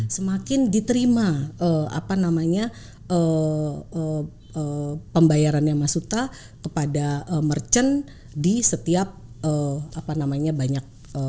semakin diterima apa namanya pembayarannya mas suta kepada merchant di setiap apa namanya banyak